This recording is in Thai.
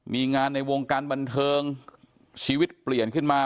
มีงานในวงการบันเทิงชีวิตเปลี่ยนขึ้นมา